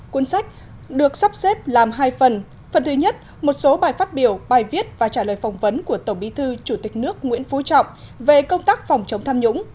cuốn sách được sắp xếp làm hai phần phần thứ nhất một số bài phát biểu bài viết và trả lời phỏng vấn của tổng bí thư chủ tịch nước nguyễn phú trọng về công tác phòng chống tham nhũng